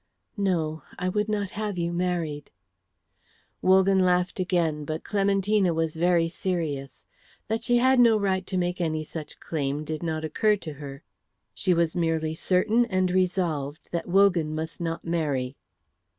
"No. I would not have you married." Wogan laughed again, but Clementina was very serious. That she had no right to make any such claim did not occur to her. She was merely certain and resolved that Wogan must not marry.